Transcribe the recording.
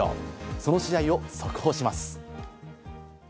その試合を速報します。